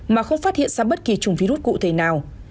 mà không phát hiện ra bất kỳ chủng virus cụ thể nào